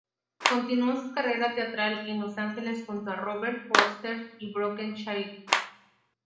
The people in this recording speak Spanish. Continuó su carrera teatral en Los Ángeles junto a Robert Forster y Brooke Shields.